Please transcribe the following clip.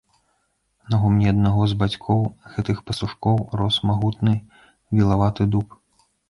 На гумне аднаго з бацькоў гэтых пастушкоў рос магутны вілаваты дуб.